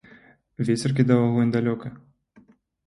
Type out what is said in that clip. Вецер кідаў агонь далёка.